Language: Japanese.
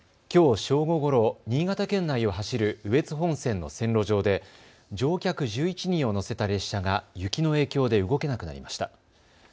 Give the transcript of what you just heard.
きょう正午ごろ、新潟県内を走る羽越本線の線路上で乗客１１人を乗せた列車が雪の影響で動けなくなりました。